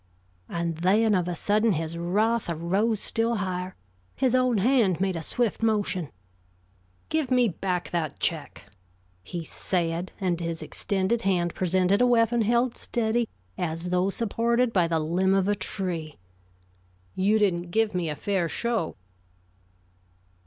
And then of a sudden his wrath arose still higher. His own hand made a swift motion. "Give me back that check," he said, and his extended hand presented a weapon held steady as though supported by the limb of a tree. "You didn't give me a fair show."